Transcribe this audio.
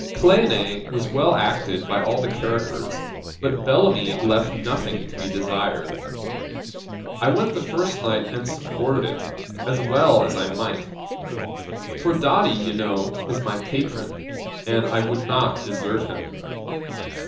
Cleone was well acted by all the characters, but Bellamy left nothing to be desired. I went the first night, and supported it, as well as I might; for Doddy, you know, is my patron, and I would not desert him.